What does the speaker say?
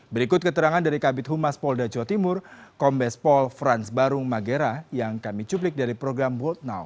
berikut keterangan dari kabit humas polda jawa timur kombes pol frans barung magera yang kami cuplik dari program world now